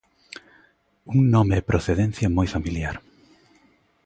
Un nome e procedencia moi familiar.